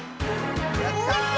やった！